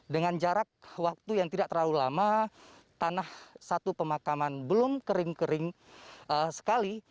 dengan jarak waktu yang tidak terlalu lama tanah satu pemakaman belum kering kering sekali